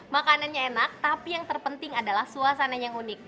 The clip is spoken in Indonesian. makanannya enak tapi yang terpenting adalah suasananya yang unik